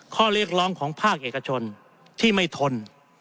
ข้อเรียกร้องของภาคเอกชนที่ไม่ทน